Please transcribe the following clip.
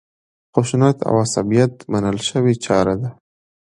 خشونت او عصبیت منل شوې چاره ده.